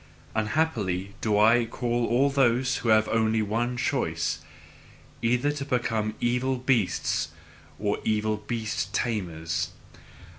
Unhappy do I call all those who have only one choice: either to become evil beasts, or evil beast tamers.